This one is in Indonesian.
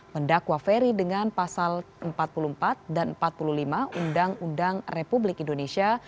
mendakwa ferry dengan pasal empat puluh empat dan empat puluh lima undang undang republik indonesia